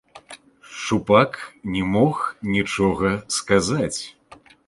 Шчупак не мог нічога сказаць.